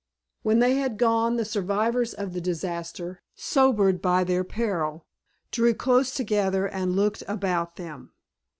When they had gone the survivors of the disaster, sobered by their peril, drew close together and looked about them.